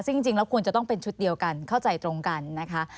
ซึ่งจริงแล้วควรจะต้องเป็นชุดเดียวกันเข้าใจตรงกันนะคะ